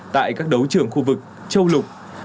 tại các đấu trưởng khu vực châu lục